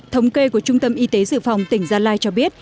thống kê của trung tâm y tế dự phòng tỉnh gia lai cho biết